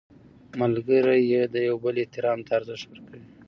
ملګری د یو بل احترام ته ارزښت ورکوي